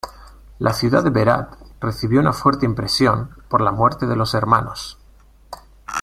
La ciudad de Berat recibió una fuerte impresión por la muerte de los hermanos.